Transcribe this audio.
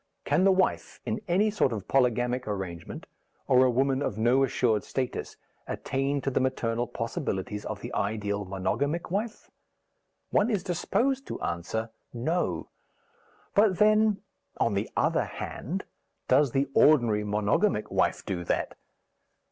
Can the wife in any sort of polygamic arrangement, or a woman of no assured status, attain to the maternal possibilities of the ideal monogamic wife? One is disposed to answer, No. But then, on the other hand, does the ordinary monogamic wife do that?